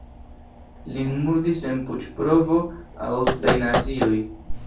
Lin murdis en puĉ-provo aŭstraj nazioj.